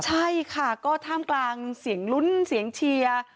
ใช่ค่ะก็ท่ามกลางเสียงลุ้นเสียงเชียร์